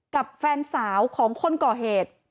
กับแฟนสาวของคนก่อเหตุ